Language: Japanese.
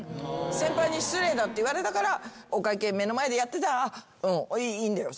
先輩に失礼だって言われたからお会計目の前でやってたらいいんだよそれで。